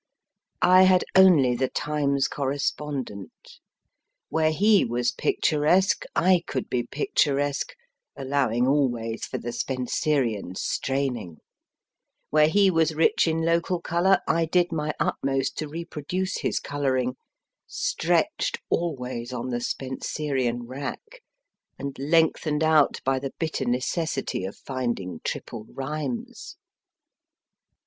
I had only the Times corrrespondent ; where he was picturesque I could be picturesque allowing always for the Spenserian straining where he was rich in local colour I did my utmost to reproduce his colouring, stretched always on the Spen serian rack, and lengthened out by the bitter necessity of finding triple rhymes.